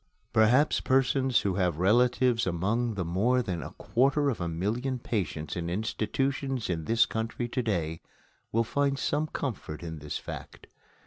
Perhaps persons who have relatives among the more than a quarter of a million patients in institutions in this country to day will find some comfort in this fact.